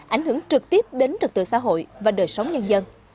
ảnh hưởng trực tiếp đến trật tựa xã hội và đời sống nhân dân